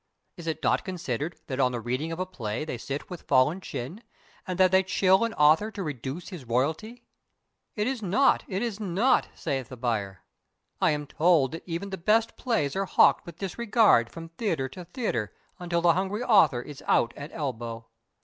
Is it not considered that on the reading of a play they sit with fallen chin, and that they chill an author to reduce his royalty? It is naught, it is naught, saith the buyer. I am told that even the best plays are hawked with disregard from theatre to theatre, until the hungry author is out at elbow.